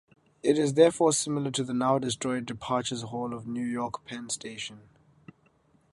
It is therefore similar to the now-destroyed departures hall of New York Penn Station.